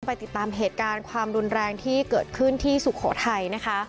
ไปติดตามเหตุการณ์ความรุนแรงที่เกิดขึ้นที่สุโขทัยนะคะ